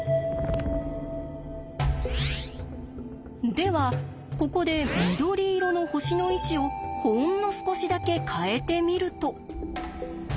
ではここで緑色の星の位置をほんの少しだけ変えてみると。